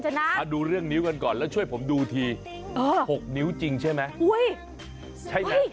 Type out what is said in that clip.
มาดูเรื่องนิ้วกันก่อนแล้วช่วยผมดูที๖นิ้วจริงใช่ไหม